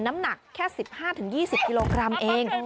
น้ำหนักแค่๑๕๒๐กิโลกรัมเอง